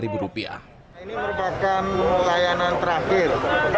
ini merupakan layanan terakhir